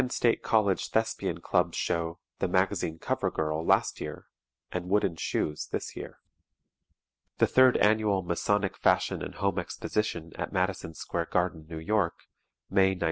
State College Thespian Club's Show, "The Magazine Cover Girl" last year, and "Wooden Shoes" this year. The Third Annual Masonic Fashion and Home Exposition at Madison Square Garden, New York, May, 1924.